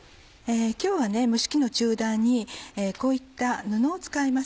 今日は蒸し器の中段にこういった布を使います。